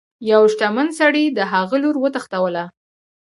یوه شتمن سړي د هغه لور وتښتوله.